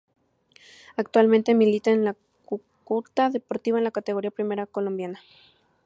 Actualmente milita en el Cúcuta Deportivo de la Categoría Primera A colombiana.